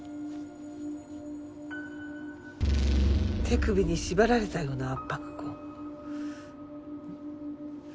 手首に縛られたような圧迫痕。